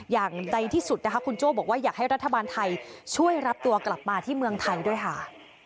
อย่างใดที่สุดนะคะคุณโจ้บอกว่าอยากให้รัฐบาลไทยช่วยรับตัวกลับมาที่เมืองไทยด้วยค่ะ